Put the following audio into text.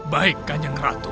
baik kajeng ratu